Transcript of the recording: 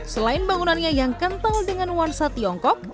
selain bangunannya yang kental dengan nuansa tiongkok